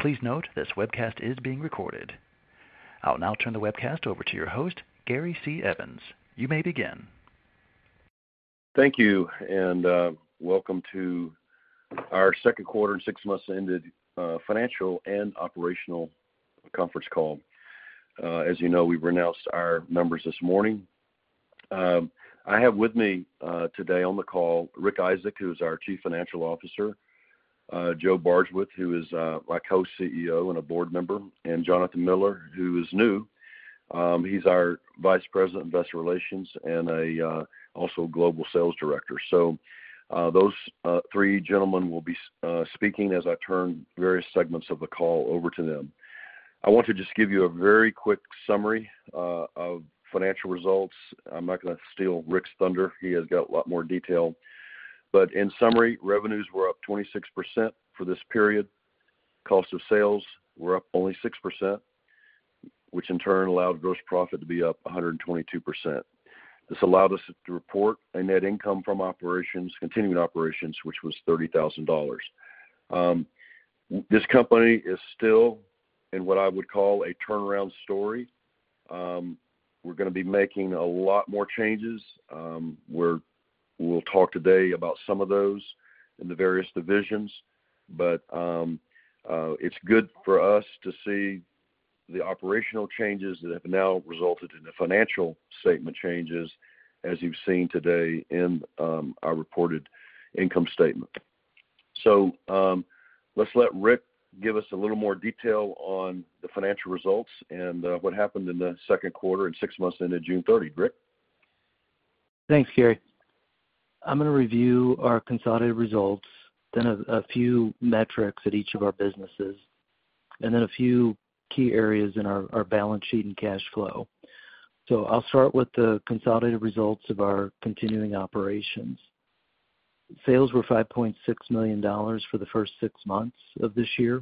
Please note, this webcast is being recorded. I'll now turn the webcast over to your host, Gary C. Evans. You may begin. Thank you, and, welcome to our second quarter and six months ended, financial and operational conference call. As you know, we've announced our numbers this morning. I have with me, today on the call, Rick Isaak, who is our Chief Financial Officer, Joe Bardswich, who is, my co-CEO and a board member, and Jonathan Miller, who is new. He's our Vice President of Investor Relations and a, also Global Sales Director. So, those, three gentlemen will be, speaking as I turn various segments of the call over to them. I want to just give you a very quick summary, of financial results. I'm not gonna steal Rick's thunder. He has got a lot more detail. But in summary, revenues were up 26% for this period. Cost of sales were up only 6%, which in turn allowed gross profit to be up 122%. This allowed us to report a net income from operations, continuing operations, which was $30,000. This company is still in what I would call a turnaround story. We're gonna be making a lot more changes. We'll talk today about some of those in the various divisions, but it's good for us to see the operational changes that have now resulted in the financial statement changes, as you've seen today in our reported income statement. So, let's let Rick give us a little more detail on the financial results and what happened in the second quarter and six months ended June 30. Rick? Thanks, Gary. I'm gonna review our consolidated results, then a few metrics at each of our businesses, and then a few key areas in our balance sheet and cash flow. I'll start with the consolidated results of our continuing operations. Sales were $5.6 million for the first six months of this year,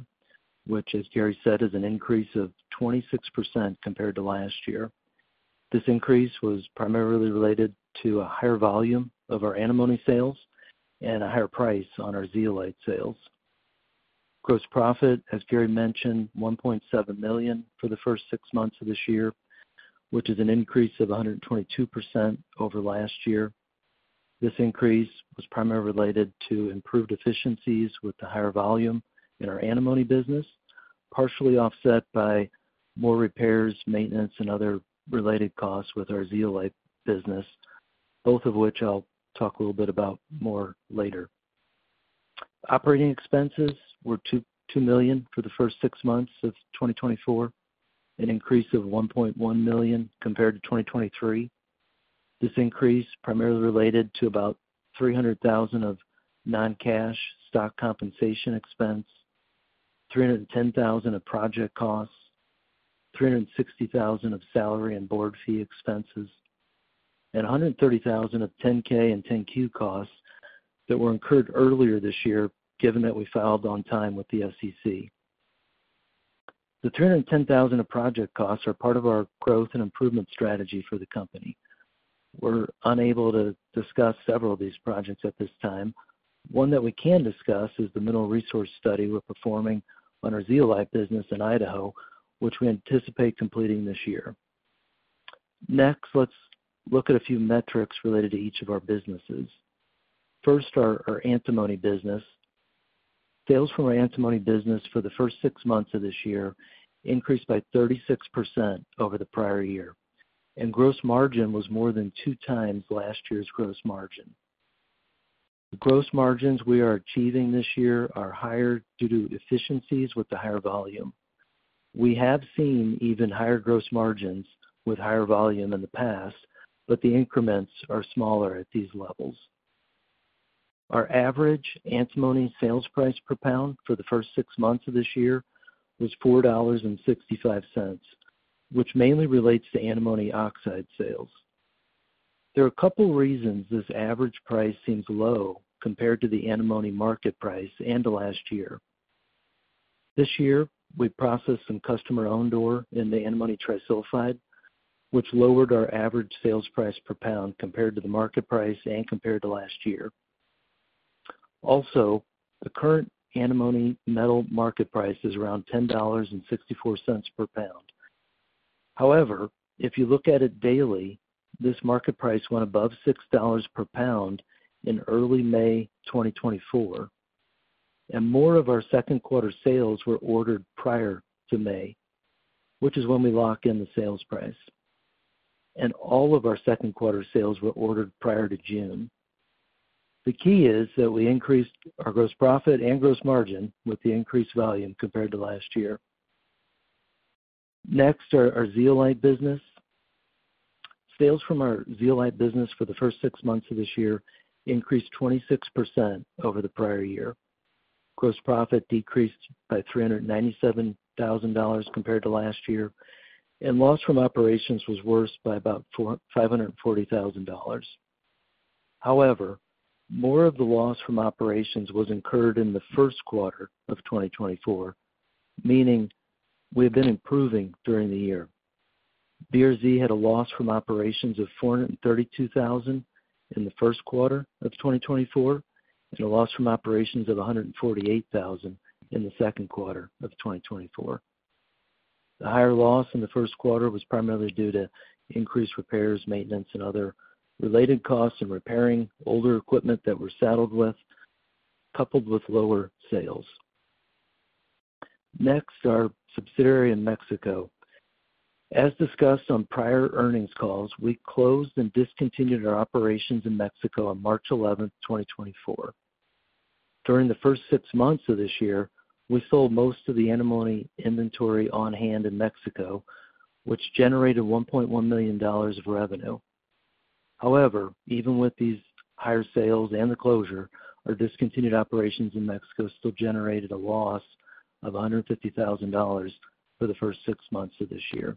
which, as Gary said, is an increase of 26% compared to last year. This increase was primarily related to a higher volume of our antimony sales and a higher price on our zeolite sales. Gross profit, as Gary mentioned, $1.7 million for the first six months of this year, which is an increase of 122% over last year. This increase was primarily related to improved efficiencies with the higher volume in our antimony business, partially offset by more repairs, maintenance, and other related costs with our zeolite business, both of which I'll talk a little bit about more later. Operating expenses were $2.2 million for the first 6 months of 2024, an increase of $1.1 million compared to 2023. This increase primarily related to about $300,000 of non-cash stock compensation expense, $310,000 of project costs, $360,000 of salary and board fee expenses, and $130,000 of 10-K and 10-Q costs that were incurred earlier this year, given that we filed on time with the SEC. The $310,000 of project costs are part of our growth and improvement strategy for the company. We're unable to discuss several of these projects at this time. One that we can discuss is the mineral resource study we're performing on our zeolite business in Idaho, which we anticipate completing this year. Next, let's look at a few metrics related to each of our businesses. First, our antimony business. Sales from our antimony business for the first six months of this year increased by 36% over the prior year, and gross margin was more than two times last year's gross margin. Gross margins we are achieving this year are higher due to efficiencies with the higher volume. We have seen even higher gross margins with higher volume in the past, but the increments are smaller at these levels. Our average antimony sales price per pound for the first six months of this year was $4.65, which mainly relates to antimony oxide sales. There are a couple reasons this average price seems low compared to the antimony market price and to last year. This year, we processed some customer-owned ore in the antimony trisulfide, which lowered our average sales price per pound compared to the market price and compared to last year. Also, the current antimony metal market price is around $10.64 per pound. However, if you look at it daily, this market price went above $6 per pound in early May 2024, and more of our second quarter sales were ordered prior to May, which is when we lock in the sales price. All of our second quarter sales were ordered prior to June. The key is that we increased our gross profit and gross margin with the increased volume compared to last year. Next, our zeolite business. Sales from our zeolite business for the first six months of this year increased 26% over the prior year. Gross profit decreased by $397,000 compared to last year, and loss from operations was worse by about $540,000. However, more of the loss from operations was incurred in the first quarter of 2024, meaning we have been improving during the year. BRZ had a loss from operations of $432,000 in the first quarter of 2024, and a loss from operations of $148,000 in the second quarter of 2024. The higher loss in the first quarter was primarily due to increased repairs, maintenance, and other related costs in repairing older equipment that we're saddled with, coupled with lower sales. Next, our subsidiary in Mexico. As discussed on prior earnings calls, we closed and discontinued our operations in Mexico on March eleventh, 2024. During the first six months of this year, we sold most of the antimony inventory on hand in Mexico, which generated $1.1 million of revenue. However, even with these higher sales and the closure, our discontinued operations in Mexico still generated a loss of $150,000 for the first six months of this year.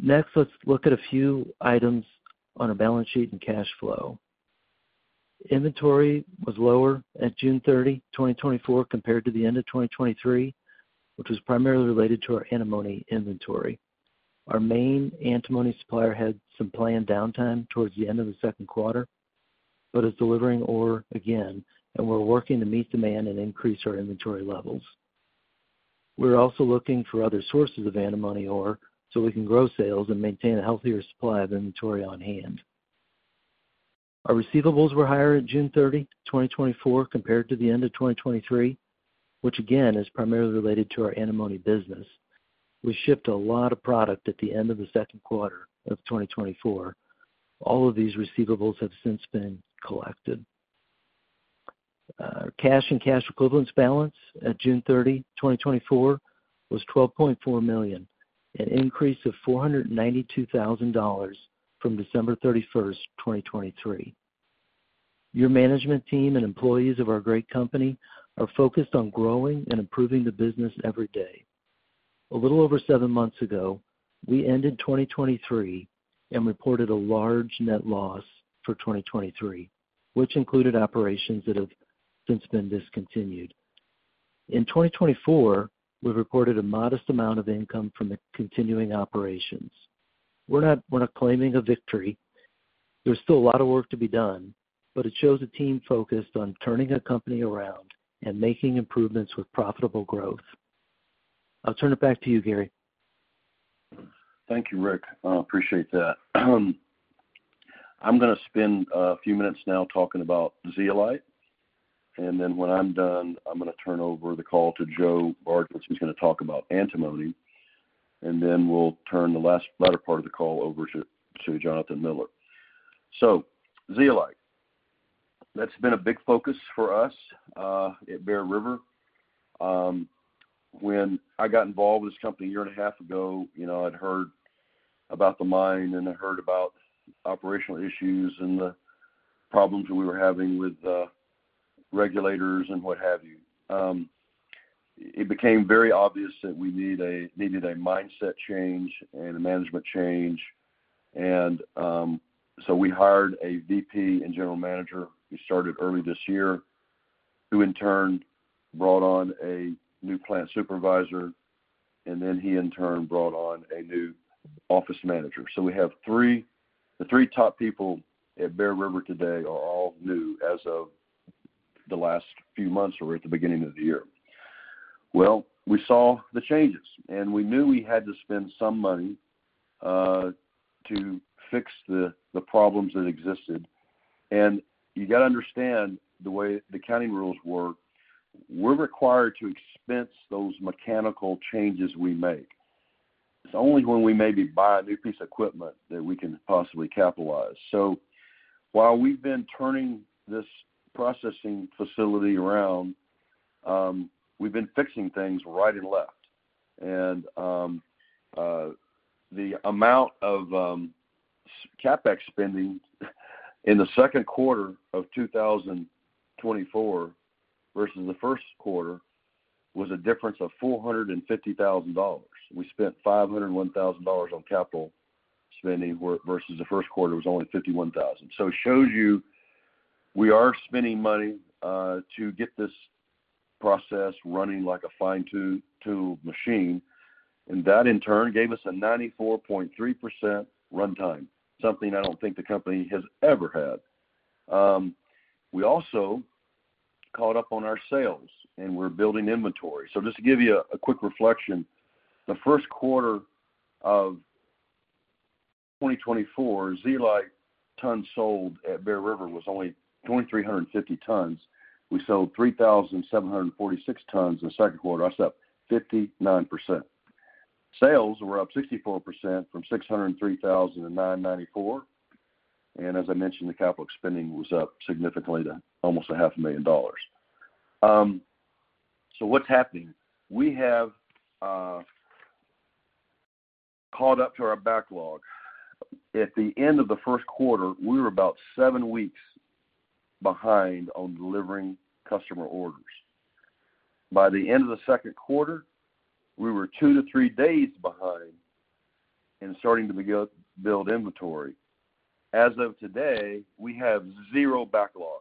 Next, let's look at a few items on our balance sheet and cash flow. Inventory was lower at June 30, 2024, compared to the end of 2023, which was primarily related to our antimony inventory. Our main antimony supplier had some planned downtime towards the end of the second quarter, but is delivering ore again, and we're working to meet demand and increase our inventory levels. We're also looking for other sources of antimony ore, so we can grow sales and maintain a healthier supply of inventory on hand. Our receivables were higher at June 30, 2024, compared to the end of 2023, which again, is primarily related to our antimony business. We shipped a lot of product at the end of the second quarter of 2024. All of these receivables have since been collected. Cash and cash equivalents balance at June 30, 2024, was $12.4 million, an increase of $492,000 from December 31st, 2023. Your management team and employees of our great company are focused on growing and improving the business every day. A little over seven months ago, we ended 2023 and reported a large net loss for 2023, which included operations that have since been discontinued. In 2024, we've reported a modest amount of income from the continuing operations. We're not, we're not claiming a victory. There's still a lot of work to be done, but it shows a team focused on turning a company around and making improvements with profitable growth. I'll turn it back to you, Gary. Thank you, Rick. I appreciate that. I'm gonna spend a few minutes now talking about zeolite, and then when I'm done, I'm gonna turn over the call to Joe Bardswich, who's gonna talk about antimony, and then we'll turn the latter part of the call over to Jonathan Miller. So zeolite, that's been a big focus for us at Bear River. When I got involved with this company a year and a half ago, you know, I'd heard about the mine, and I heard about operational issues and the problems we were having with regulators and what have you. It became very obvious that we needed a mindset change and a management change, and so we hired a VP and general manager, who started early this year, who in turn brought on a new plant supervisor, and then he, in turn, brought on a new office manager. So we have the three top people at Bear River today are all new as of the last few months or at the beginning of the year. Well, we saw the changes, and we knew we had to spend some money to fix the problems that existed. And you got to understand the way the accounting rules work, we're required to expense those mechanical changes we make. It's only when we maybe buy a new piece of equipment that we can possibly capitalize. So while we've been turning this processing facility around, we've been fixing things right and left. The amount of CapEx spending in the second quarter of 2024 versus the first quarter was a difference of $450,000. We spent $501,000 on capital spending, whereas in the first quarter, it was only $51,000. So it shows you we are spending money to get this process running like a fine-tuned machine, and that, in turn, gave us a 94.3% runtime, something I don't think the company has ever had. We also caught up on our sales, and we're building inventory. So just to give you a quick reflection, the first quarter of 2024, zeolite tons sold at Bear River was only 2,350 tons. We sold 3,746 tons in the second quarter. That's up 59%. Sales were up 64% from 603,994, and as I mentioned, the capital spending was up significantly to almost $500,000. So what's happening? We have caught up to our backlog. At the end of the first quarter, we were about 7 weeks behind on delivering customer orders. By the end of the second quarter, we were 2-3 days behind and starting to build inventory. As of today, we have 0 backlog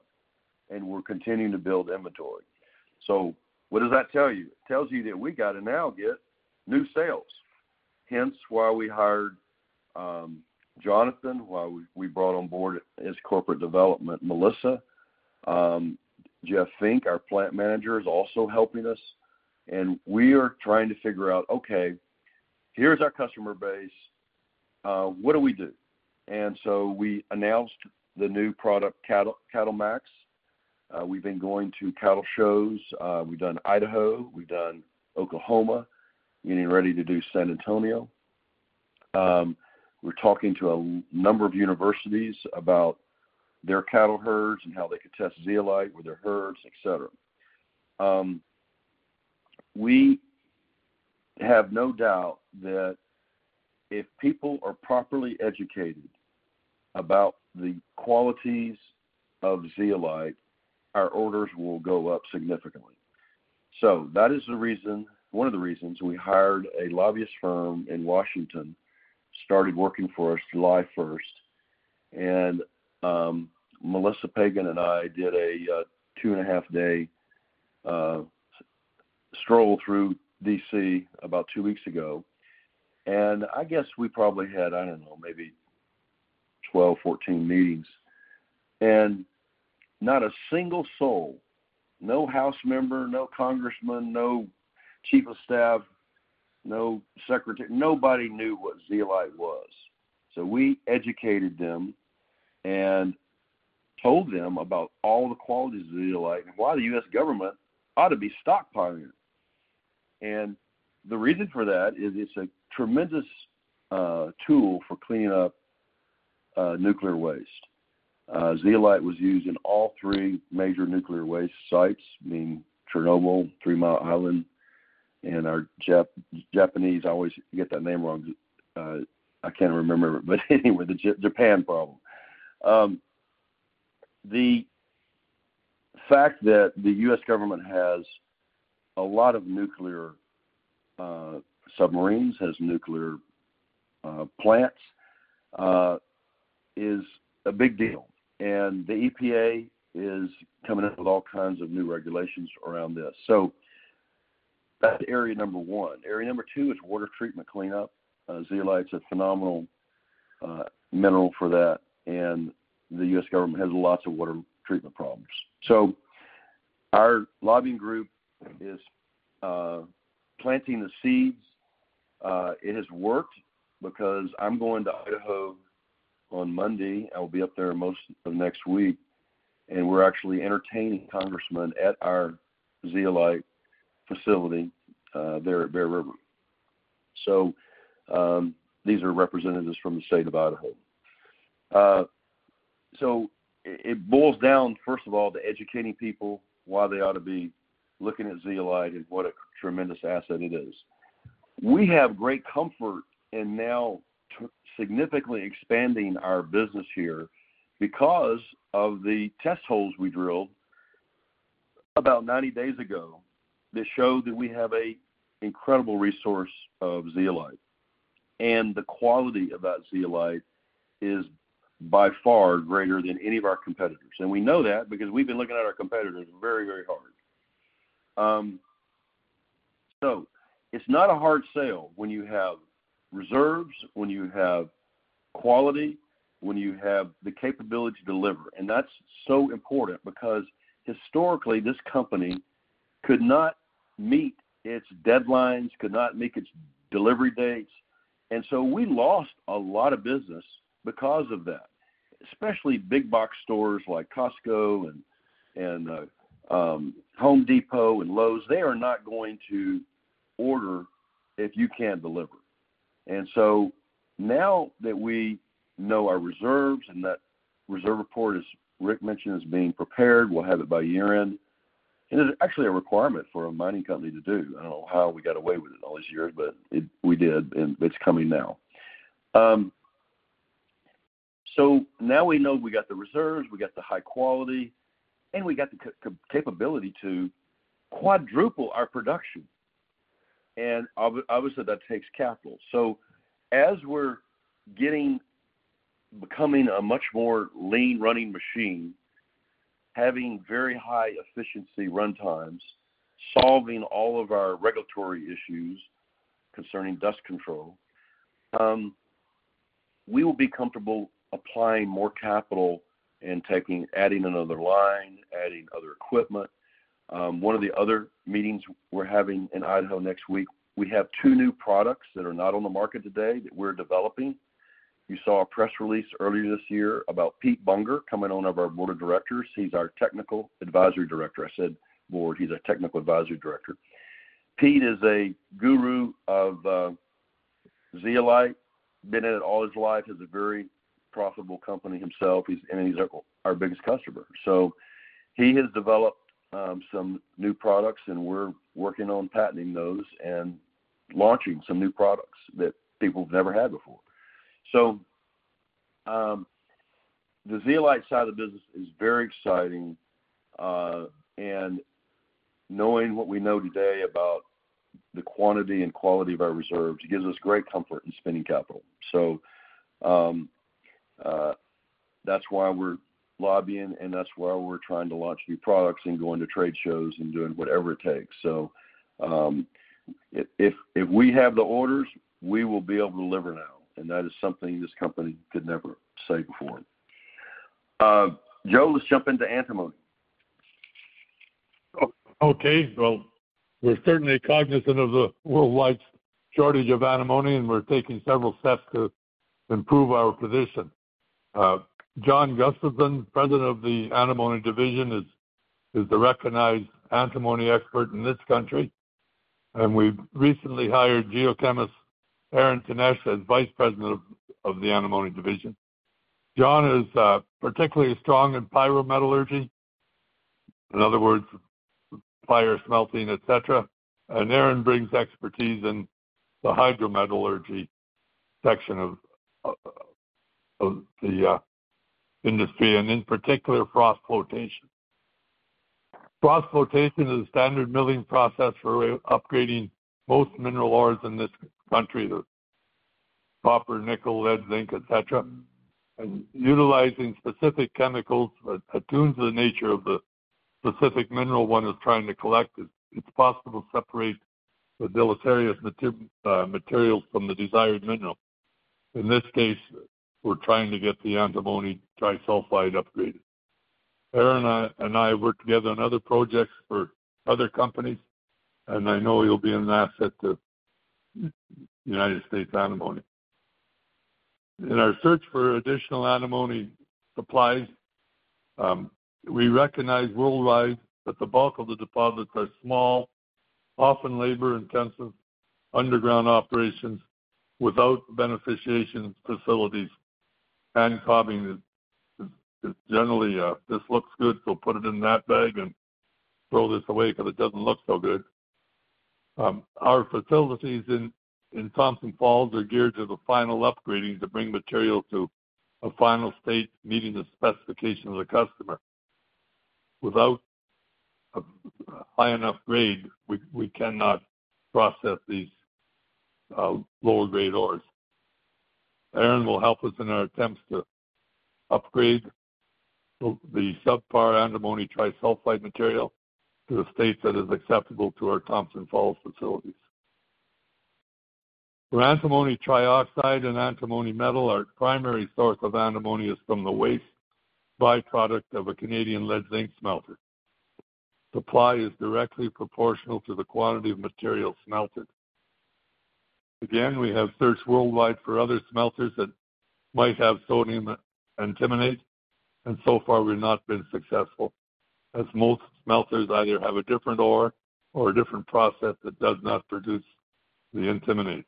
and we're continuing to build inventory. So what does that tell you? It tells you that we got to now get new sales, hence why we hired Jonathan, why we brought on board as corporate development, Melissa. Jeff Fink, our plant manager, is also helping us. And we are trying to figure out, okay, here's our customer base, what do we do? And so we announced the new product, CattleMax. We've been going to cattle shows. We've done Idaho, we've done Oklahoma, getting ready to do San Antonio. We're talking to a number of universities about their cattle herds and how they could test zeolite with their herds, et cetera. We have no doubt that if people are properly educated about the qualities of zeolite, our orders will go up significantly. So that is the reason, one of the reasons we hired a lobbyist firm in Washington, started working for us July 1st, and Melissa Pagen and I did a 2.5-day stroll through D.C. about two weeks ago, and I guess we probably had, I don't know, maybe 12, 14 meetings, and not a single soul, no House member, no congressman, no chief of staff, no secretary, nobody knew what zeolite was. So we educated them and told them about all the qualities of zeolite and why the U.S. government ought to be stockpiling it. And the reason for that is it's a tremendous tool for cleaning up nuclear waste. Zeolite was used in all three major nuclear waste sites, meaning Chernobyl, Three Mile Island, and our Japanese, I always get that name wrong, I can't remember, but anyway, the Japan problem. The fact that the U.S. government has a lot of nuclear submarines, has nuclear plants, is a big deal, and the EPA is coming out with all kinds of new regulations around this. So that's area number one. Area number two is water treatment cleanup. Zeolite's a phenomenal mineral for that, and the U.S. government has lots of water treatment problems. So our lobbying group is planting the seeds. It has worked because I'm going to Idaho on Monday. I'll be up there most of next week, and we're actually entertaining congressmen at our zeolite facility there at Bear River. So, these are representatives from the state of Idaho. So it boils down, first of all, to educating people why they ought to be looking at zeolite and what a tremendous asset it is. We have great comfort in now significantly expanding our business here because of the test holes we drilled about 90 days ago, that show that we have an incredible resource of zeolite, and the quality of that zeolite is by far greater than any of our competitors. And we know that because we've been looking at our competitors very, very hard. So it's not a hard sale when you have reserves, when you have quality, when you have the capability to deliver. And that's so important because historically, this company could not meet its deadlines, could not make its delivery dates, and so we lost a lot of business because of that. Especially big box stores like Costco and Home Depot and Lowe's, they are not going to order if you can't deliver. And so now that we know our reserves, and that reserve report, as Rick mentioned, is being prepared, we'll have it by year-end. And it's actually a requirement for a mining company to do. I don't know how we got away with it all these years, but we did, and it's coming now. So now we know we got the reserves, we got the high quality, and we got the capability to quadruple our production. And obviously, that takes capital. So as we're getting... becoming a much more lean running machine, having very high efficiency runtimes, solving all of our regulatory issues concerning dust control, we will be comfortable applying more capital and adding another line, adding other equipment. One of the other meetings we're having in Idaho next week, we have two new products that are not on the market today, that we're developing. You saw a press release earlier this year about Pete Bunger coming on our board of directors. He's our technical advisory director. I said board, he's our technical advisory director. Pete is a guru of zeolite, been in it all his life, has a very profitable company himself. He's and he's our biggest customer. So he has developed some new products, and we're working on patenting those and launching some new products that people have never had before. So, the zeolite side of the business is very exciting, knowing what we know today about the quantity and quality of our reserves, it gives us great comfort in spending capital. So, that's why we're lobbying, and that's why we're trying to launch new products and going to trade shows and doing whatever it takes. So, if we have the orders, we will be able to deliver now, and that is something this company could never say before. Joe, let's jump into antimony. Okay. Well, we're certainly cognizant of the worldwide shortage of antimony, and we're taking several steps to improve our position. John Gustavsen, President of the Antimony Division, is the recognized antimony expert in this country, and we've recently hired geochemist Aaron Tenesch as Vice President of the Antimony Division. John is particularly strong in pyrometallurgy. In other words, fire smelting, et cetera. Aaron brings expertise in the hydrometallurgy section of the industry, and in particular, froth flotation. Froth flotation is a standard milling process for upgrading most mineral ores in this country, the copper, nickel, lead, zinc, et cetera. Utilizing specific chemicals that attunes the nature of the specific mineral one is trying to collect, it's possible to separate the deleterious materials from the desired mineral. In this case, we're trying to get the antimony trisulfide upgraded. Aaron and I, and I have worked together on other projects for other companies, and I know he'll be an asset to United States Antimony. In our search for additional antimony supplies, we recognize worldwide that the bulk of the deposits are small, often labor-intensive, underground operations without beneficiation facilities. Hand cobbing is generally this looks good, so put it in that bag and throw this away because it doesn't look so good. Our facilities in Thompson Falls are geared to the final upgrading to bring material to a final state, meeting the specification of the customer. Without a high enough grade, we cannot process these lower-grade ores. Aaron will help us in our attempts to upgrade the subpar antimony trisulfide material to a state that is acceptable to our Thompson Falls facilities. For antimony trioxide and antimony metal, our primary source of antimony is from the waste byproduct of a Canadian lead zinc smelter. Supply is directly proportional to the quantity of material smelted. Again, we have searched worldwide for other smelters that might have sodium antimonate, and so far we've not been successful, as most smelters either have a different ore or a different process that does not produce the antimonate.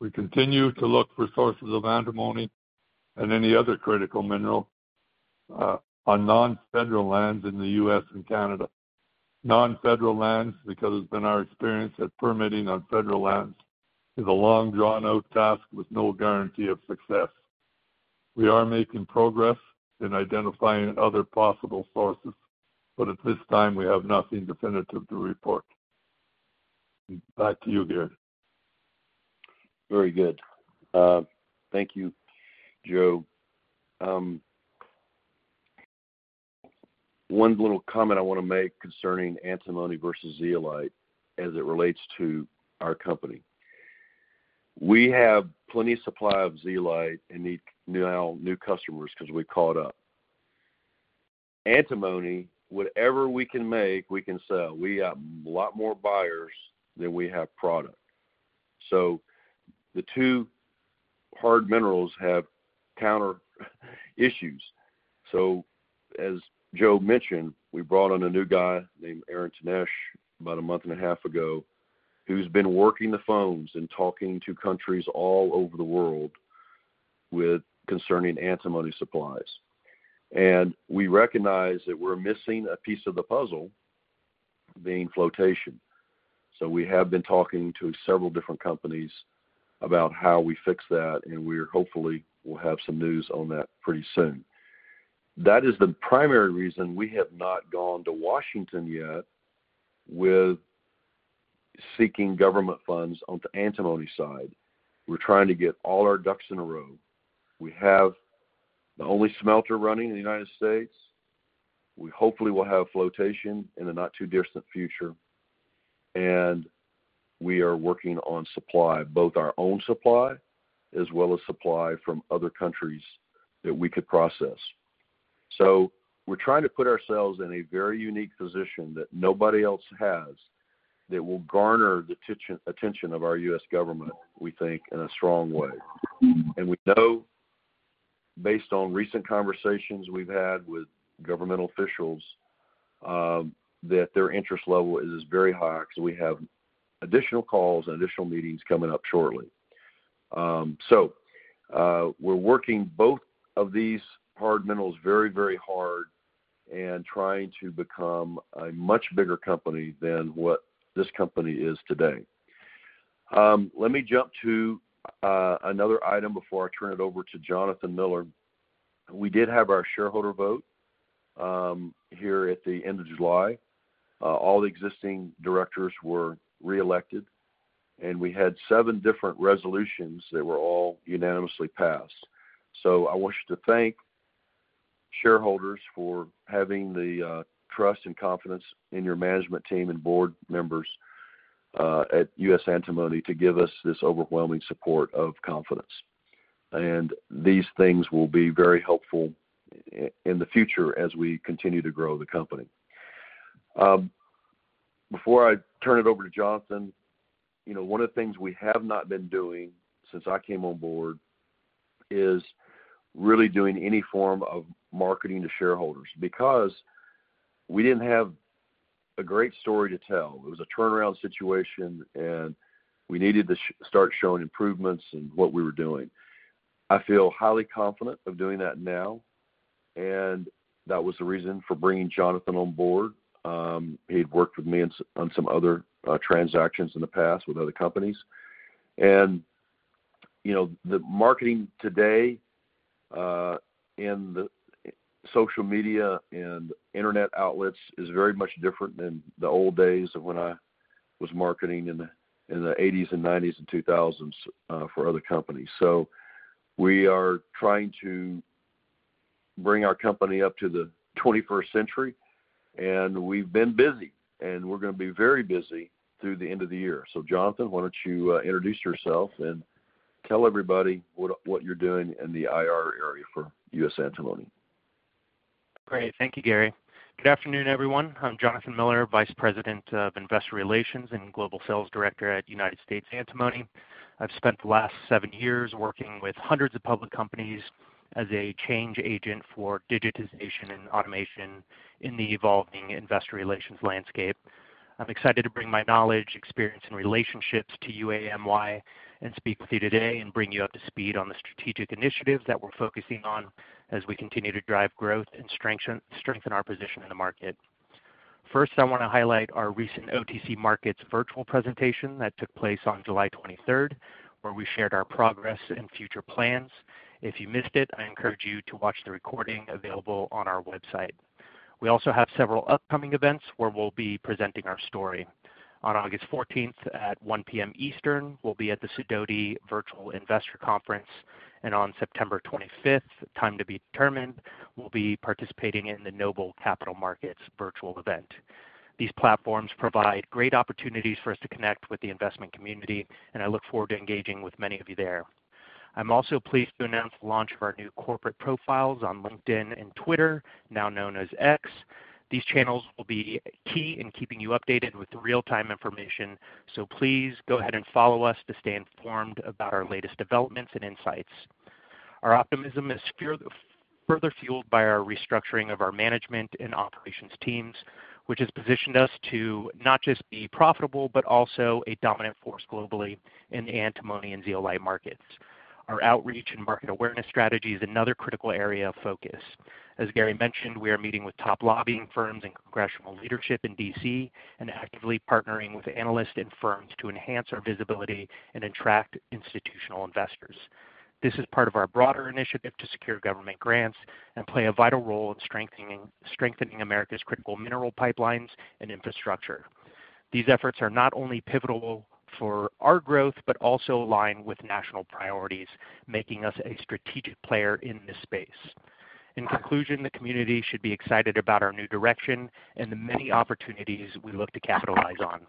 We continue to look for sources of antimony and any other critical mineral, on non-federal lands in the U.S. and Canada. Non-federal lands, because it's been our experience that permitting on federal lands is a long, drawn-out task with no guarantee of success. We are making progress in identifying other possible sources, but at this time, we have nothing definitive to report. Back to you, Garrett. Very good. Thank you, Joe. One little comment I wanna make concerning antimony versus zeolite as it relates to our company. We have plenty of supply of zeolite and need now new customers 'cause we're caught up. Antimony, whatever we can make, we can sell. We have a lot more buyers than we have product. So the two hard minerals have counter issues. So as Joe mentioned, we brought on a new guy named Aaron Tenesch, about a month and a half ago, who's been working the phones and talking to countries all over the world with concerning antimony supplies. And we recognize that we're missing a piece of the puzzle, being flotation. So we have been talking to several different companies about how we fix that, and we're hopefully will have some news on that pretty soon. That is the primary reason we have not gone to Washington yet with seeking government funds on the antimony side. We're trying to get all our ducks in a row. We have the only smelter running in the United States. We hopefully will have flotation in the not-too-distant future, and we are working on supply, both our own supply as well as supply from other countries that we could process. So we're trying to put ourselves in a very unique position that nobody else has, that will garner the attention of our U.S. government, we think, in a strong way. And we know, based on recent conversations we've had with governmental officials, that their interest level is very high. So we have additional calls and additional meetings coming up shortly. So, we're working both of these hard minerals very, very hard and trying to become a much bigger company than what this company is today. Let me jump to another item before I turn it over to Jonathan Miller. We did have our shareholder vote here at the end of July. All the existing directors were reelected, and we had seven different resolutions that were all unanimously passed. So I want you to thank shareholders for having the trust and confidence in your management team and board members at U.S. Antimony to give us this overwhelming support of confidence. And these things will be very helpful in the future as we continue to grow the company. Before I turn it over to Jonathan, you know, one of the things we have not been doing since I came on board is really doing any form of marketing to shareholders because we didn't have a great story to tell. It was a turnaround situation, and we needed to start showing improvements in what we were doing. I feel highly confident of doing that now, and that was the reason for bringing Jonathan on board. He'd worked with me on some other transactions in the past with other companies. You know, the marketing today in the social media and internet outlets is very much different than the old days of when I was marketing in the eighties and nineties and two thousands for other companies. So we are trying to bring our company up to the twenty-first century, and we've been busy, and we're gonna be very busy through the end of the year. So, Jonathan, why don't you introduce yourself and tell everybody what you're doing in the IR area for U.S. Antimony? Great. Thank you, Gary. Good afternoon, everyone. I'm Jonathan Miller, Vice President of Investor Relations and Global Sales Director at United States Antimony. I've spent the last 7 years working with hundreds of public companies as a change agent for digitization and automation in the evolving investor relations landscape. I'm excited to bring my knowledge, experience, and relationships to UAMY, and speak with you today and bring you up to speed on the strategic initiatives that we're focusing on as we continue to drive growth and strengthen our position in the market. First, I wanna highlight our recent OTC Markets virtual presentation that took place on July 23, where we shared our progress and future plans. If you missed it, I encourage you to watch the recording available on our website. We also have several upcoming events where we'll be presenting our story. On August 14, at 1:00 P.M. Eastern, we'll be at the Sidoti Virtual Investor Conference, and on September 25, time to be determined, we'll be participating in the Noble Capital Markets virtual event. These platforms provide great opportunities for us to connect with the investment community, and I look forward to engaging with many of you there. I'm also pleased to announce the launch of our new corporate profiles on LinkedIn and Twitter, now known as X. These channels will be key in keeping you updated with the real-time information, so please go ahead and follow us to stay informed about our latest developments and insights. Our optimism is further fueled by our restructuring of our management and operations teams, which has positioned us to not just be profitable, but also a dominant force globally in the antimony and zeolite markets. Our outreach and market awareness strategy is another critical area of focus. As Gary mentioned, we are meeting with top lobbying firms and congressional leadership in D.C., and actively partnering with analysts and firms to enhance our visibility and attract institutional investors. This is part of our broader initiative to secure government grants and play a vital role in strengthening America's critical mineral pipelines and infrastructure. These efforts are not only pivotal for our growth, but also align with national priorities, making us a strategic player in this space. In conclusion, the community should be excited about our new direction and the many opportunities we look to capitalize on.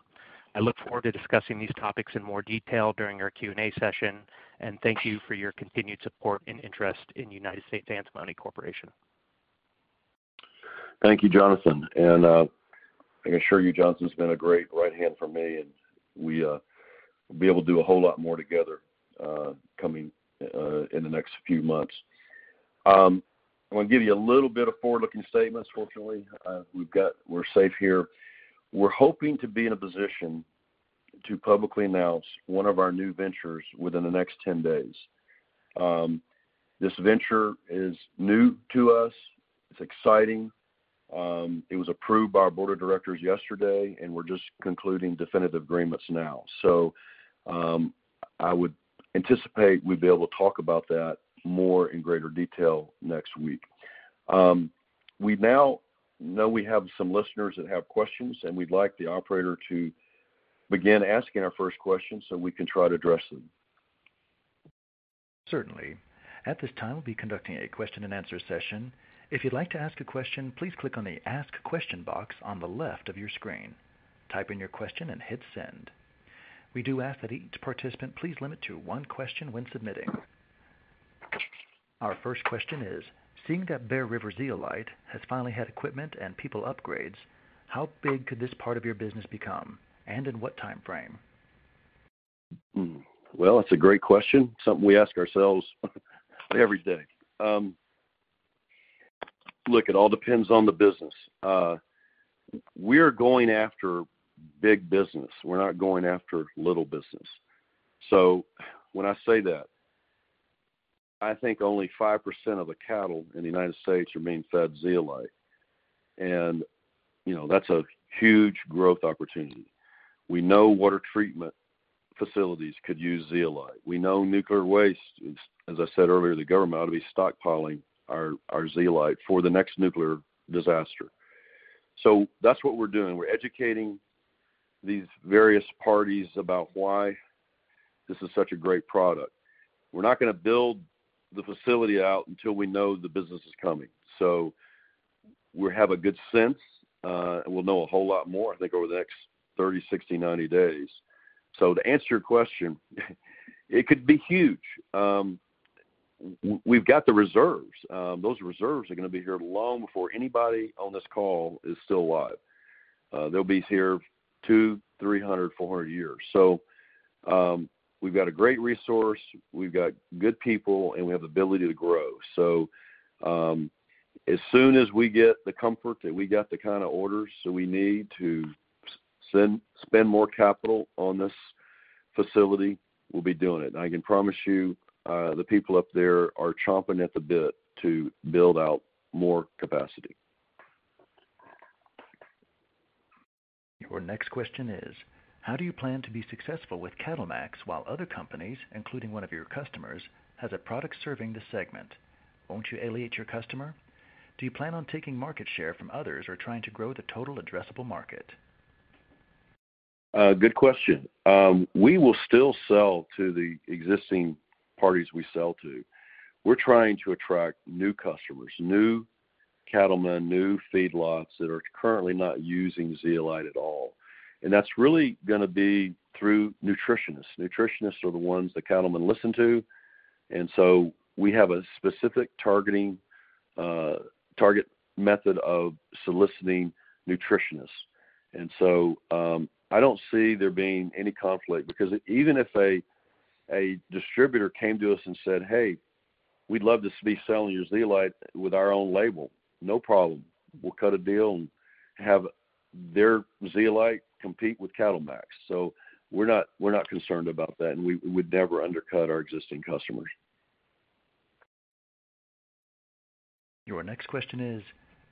I look forward to discussing these topics in more detail during our Q&A session, and thank you for your continued support and interest in United States Antimony Corporation. Thank you, Jonathan. And, I can assure you, Jonathan's been a great right hand for me, and we will be able to do a whole lot more together, coming in the next few months. I wanna give you a little bit of forward-looking statements. Fortunately, we've got. We're safe here. We're hoping to be in a position to publicly announce one of our new ventures within the next 10 days. This venture is new to us. It's exciting. It was approved by our board of directors yesterday, and we're just concluding definitive agreements now. So, I would anticipate we'd be able to talk about that more in greater detail next week. We now know we have some listeners that have questions, and we'd like the operator to begin asking our first question so we can try to address them. Certainly. At this time, we'll be conducting a question-and-answer session. If you'd like to ask a question, please click on the Ask Question box on the left of your screen. Type in your question and hit Send. We do ask that each participant please limit to one question when submitting. Our first question is: seeing that Bear River Zeolite has finally had equipment and people upgrades, how big could this part of your business become, and in what timeframe? Well, that's a great question. Something we ask ourselves every day. Look, it all depends on the business. We're going after big business. We're not going after little business. I think only 5% of the cattle in the United States are being fed zeolite, and, you know, that's a huge growth opportunity. We know water treatment facilities could use zeolite. We know nuclear waste, as I said earlier, the government ought to be stockpiling our zeolite for the next nuclear disaster. So that's what we're doing. We're educating these various parties about why this is such a great product. We're not gonna build the facility out until we know the business is coming. So we have a good sense, and we'll know a whole lot more, I think, over the next 30, 60, 90 days. So to answer your question, it could be huge. We've got the reserves. Those reserves are gonna be here long before anybody on this call is still alive. They'll be here 200-400 years. So, we've got a great resource, we've got good people, and we have the ability to grow. So, as soon as we get the comfort that we got the kind of orders that we need to spend more capital on this facility, we'll be doing it. I can promise you, the people up there are chomping at the bit to build out more capacity. Your next question is: how do you plan to be successful with CattleMax, while other companies, including one of your customers, has a product serving the segment? Won't you alienate your customer? Do you plan on taking market share from others or trying to grow the total addressable market? Good question. We will still sell to the existing parties we sell to. We're trying to attract new customers, new cattlemen, new feedlots that are currently not using zeolite at all, and that's really gonna be through nutritionists. Nutritionists are the ones that cattlemen listen to, and so we have a specific targeting, target method of soliciting nutritionists. And so, I don't see there being any conflict, because even if a distributor came to us and said, "Hey, we'd love to be selling your zeolite with our own label," no problem. We'll cut a deal and have their zeolite compete with CattleMax. So we're not, we're not concerned about that, and we, we'd never undercut our existing customers. Your next question is: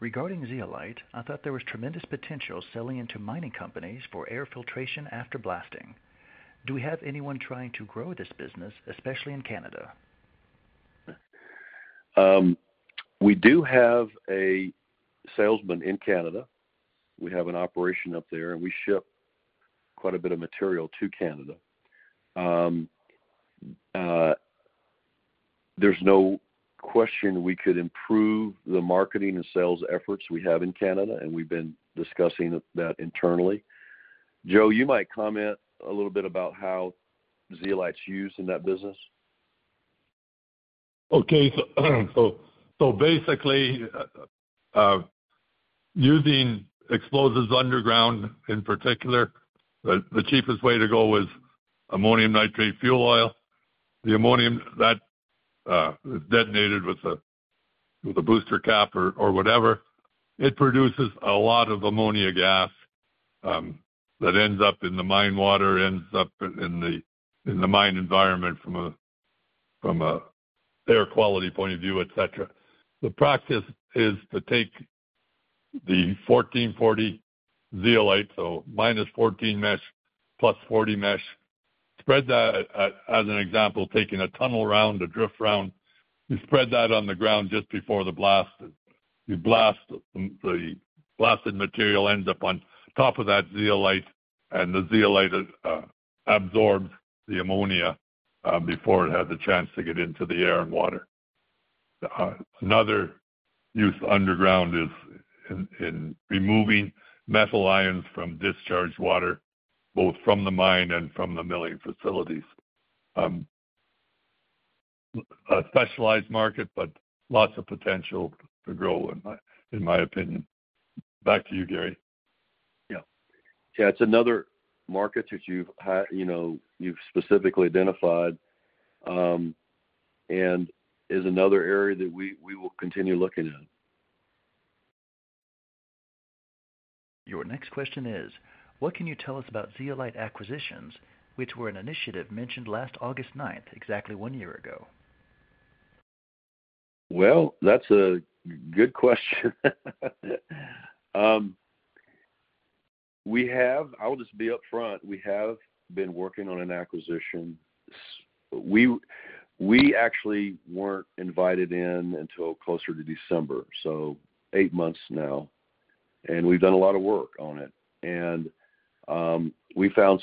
regarding zeolite, I thought there was tremendous potential selling into mining companies for air filtration after blasting. Do we have anyone trying to grow this business, especially in Canada? We do have a salesman in Canada. We have an operation up there, and we ship quite a bit of material to Canada. There's no question we could improve the marketing and sales efforts we have in Canada, and we've been discussing that internally. Joe, you might comment a little bit about how zeolite's used in that business. Okay, so basically, using explosives underground, in particular, the cheapest way to go is ammonium nitrate fuel oil. The ammonium that is detonated with a booster cap or whatever, it produces a lot of ammonia gas that ends up in the mine water, ends up in the mine environment from a air quality point of view, et cetera. The practice is to take the 14-40 zeolite, so minus 14 mesh, plus 40 mesh, spread that, as an example, taking a tunnel round, a drift round, you spread that on the ground just before the blast. You blast, the blasted material ends up on top of that zeolite, and the zeolite absorbs the ammonia before it has a chance to get into the air and water. Another use underground is in removing metal ions from discharged water, both from the mine and from the milling facilities. A specialized market, but lots of potential to grow, in my opinion. Back to you, Gary. Yeah. Yeah, it's another market that you've, you know, you've specifically identified, and is another area that we, we will continue looking at. Your next question is: what can you tell us about zeolite acquisitions, which were an initiative mentioned last August ninth, exactly one year ago? Well, that's a good question. I'll just be up front, we have been working on an acquisition. We actually weren't invited in until closer to December, so eight months now, and we've done a lot of work on it. And we found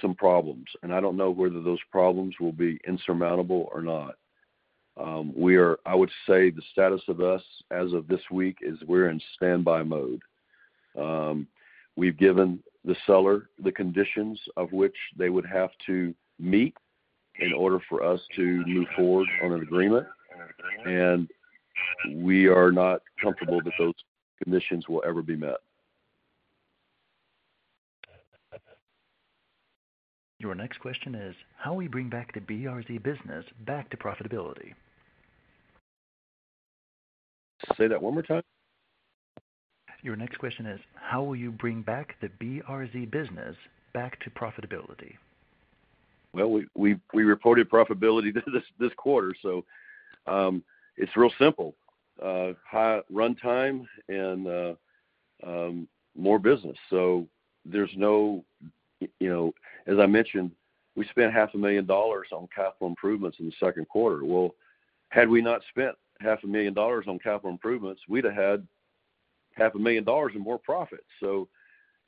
some problems, and I don't know whether those problems will be insurmountable or not. I would say the status of us as of this week is we're in standby mode. We've given the seller the conditions of which they would have to meet in order for us to move forward on an agreement, and we are not comfortable that those conditions will ever be met. Your next question is: how we bring back the BRZ business back to profitability?... Say that one more time? Your next question is: how will you bring back the BRZ business back to profitability? Well, we reported profitability this quarter, so it's real simple. High runtime and more business. So there's no. You know, as I mentioned, we spent $500,000 on capital improvements in the second quarter. Well, had we not spent $500,000 on capital improvements, we'd have had $500,000 in more profits. So,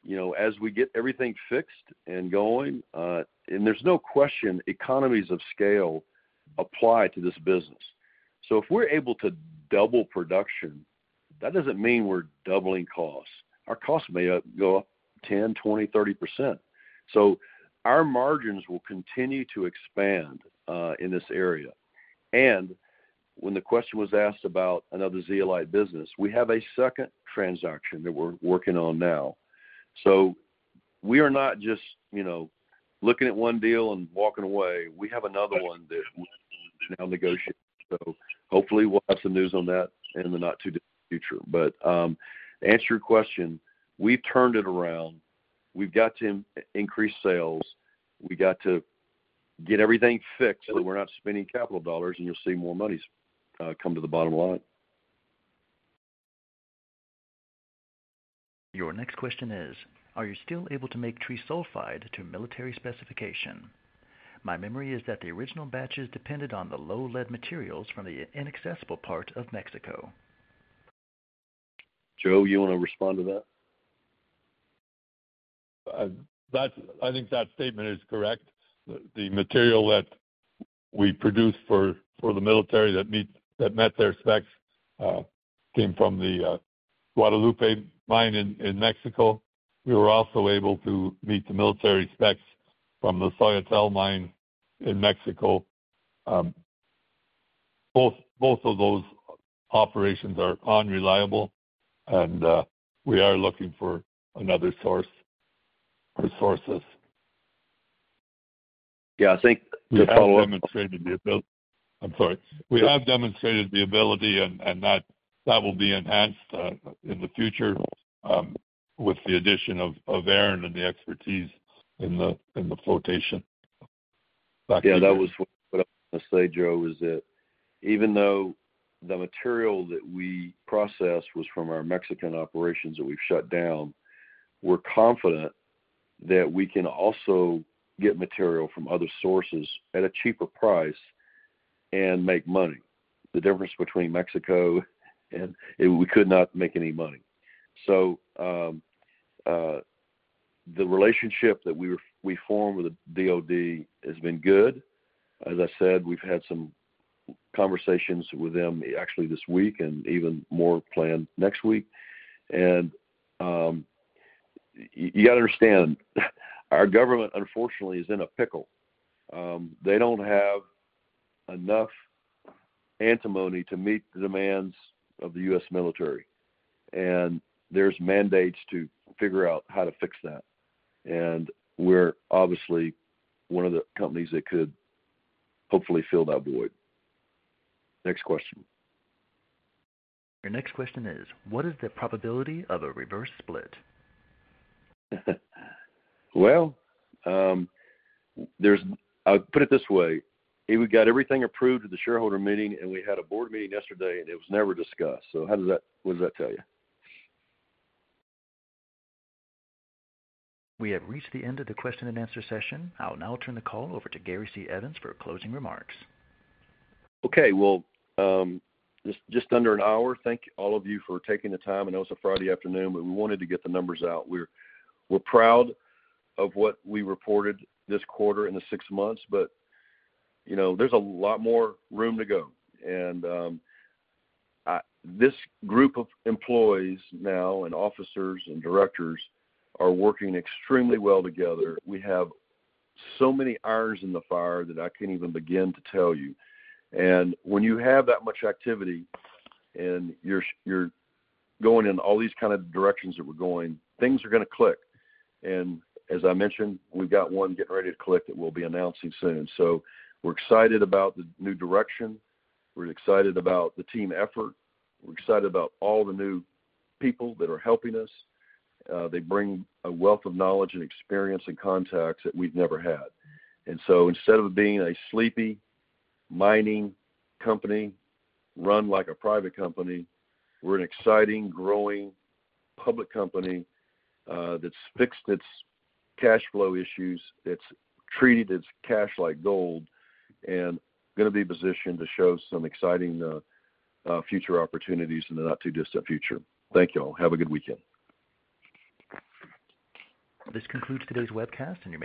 you know, as we get everything fixed and going, and there's no question economies of scale apply to this business. So if we're able to double production, that doesn't mean we're doubling costs. Our costs may go up 10%, 20%, 30%. So our margins will continue to expand in this area. And when the question was asked about another zeolite business, we have a second transaction that we're working on now. So we are not just, you know, looking at one deal and walking away. We have another one that we're now negotiating. So hopefully we'll have some news on that in the not-too-distant future. But, to answer your question, we've turned it around. We've got to increase sales. We got to get everything fixed, so we're not spending capital dollars, and you'll see more monies come to the bottom line. Your next question is: Are you still able to make trisulfide to military specification? My memory is that the original batches depended on the low-lead materials from the inaccessible part of Mexico. Joe, you want to respond to that? That's-- I think that statement is correct. The material that we produced for the military that met their specs came from the Guadalupe Mine in Mexico. We were also able to meet the military specs from the Soyatal Mine in Mexico. Both of those operations are unreliable, and we are looking for another source, or sources. Yeah, I think to follow up- We have demonstrated the ability. I'm sorry. We have demonstrated the ability, and that will be enhanced in the future with the addition of Aaron and the expertise in the flotation. Yeah, that was what I was gonna say, Joe, is that even though the material that we processed was from our Mexican operations that we've shut down, we're confident that we can also get material from other sources at a cheaper price and make money. The difference between Mexico and... We could not make any money. So, the relationship that we formed with the DoD has been good. As I said, we've had some conversations with them actually this week and even more planned next week. And, you got to understand, our government, unfortunately, is in a pickle. They don't have enough antimony to meet the demands of the U.S. military, and there's mandates to figure out how to fix that. And we're obviously one of the companies that could hopefully fill that void. Next question. Your next question is: What is the probability of a reverse split? Well, I'll put it this way: we got everything approved at the shareholder meeting, and we had a board meeting yesterday, and it was never discussed. So how does that... what does that tell you? We have reached the end of the question-and-answer session. I'll now turn the call over to Gary C. Evans for closing remarks. Okay. Well, just under an hour. Thank all of you for taking the time. I know it's a Friday afternoon, but we wanted to get the numbers out. We're proud of what we reported this quarter in the six months, but, you know, there's a lot more room to go. And this group of employees now and officers and directors are working extremely well together. We have so many irons in the fire that I can't even begin to tell you. And when you have that much activity and you're going in all these kind of directions that we're going, things are gonna click. And as I mentioned, we've got one getting ready to click that we'll be announcing soon. So we're excited about the new direction. We're excited about the team effort. We're excited about all the new people that are helping us. They bring a wealth of knowledge and experience and contacts that we've never had. And so instead of being a sleepy mining company run like a private company, we're an exciting, growing public company that's fixed its cash flow issues, it's treated its cash like gold, and gonna be positioned to show some exciting future opportunities in the not-too-distant future. Thank you all. Have a good weekend. This concludes today's webcast, and your line-